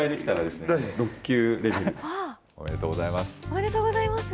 おめでとうございます。